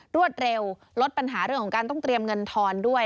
รวดเร็วลดปัญหาเรื่องของการต้องเตรียมเงินทอนด้วย